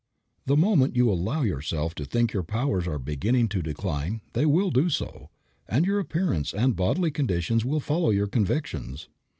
The moment you allow yourself to think your powers are beginning to decline they will do so, and your appearance and bodily conditions will follow your convictions.